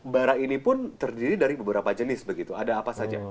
bara ini pun terdiri dari beberapa jenis begitu ada apa saja